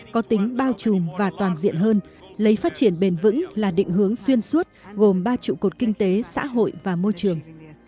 có tính bao trùm và toàn diện hơn lấy phát triển bền vững là định hướng xuyên suốt gồm ba trụ cột kinh tế xã hội và môi trường